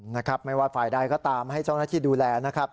นะครับไม่ว่าฝ่ายใดก็ตามให้เจ้าหน้าที่ดูแลนะครับ